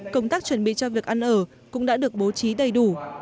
công tác chuẩn bị cho việc ăn ở cũng đã được bố trí đầy đủ